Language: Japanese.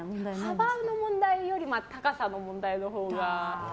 幅の問題より高さの問題のほうが。